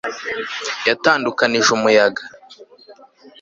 Yatandukanije umuyaga